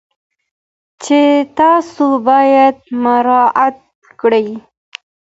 چې تاسو باید مراعات کړئ.